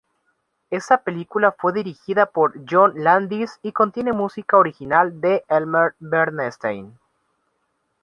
Esta película fue dirigida por John Landis y contiene música original de Elmer Bernstein.